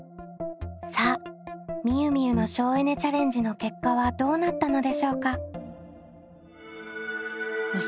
さあみゆみゆの省エネ・チャレンジの結果はどうなったのでしょうか？